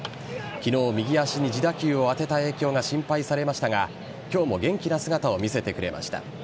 昨日、右足に自打球を当てた影響が心配されましたが今日も元気な姿を見せてくれました。